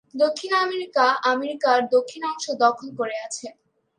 দক্ষিণ আমেরিকা, আমেরিকার দক্ষিণ অংশ দখল করে আছে।